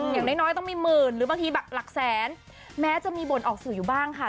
อย่างน้อยต้องมีหมื่นหรือบางทีแบบหลักแสนแม้จะมีบ่นออกสื่ออยู่บ้างค่ะ